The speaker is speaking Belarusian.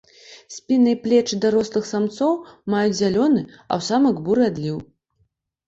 Спіна і плечы дарослых самцоў маюць зялёны, а ў самак буры адліў.